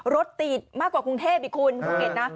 รถติดมากกว่ากรุงเทพอีกคุณภูเก็ตนะ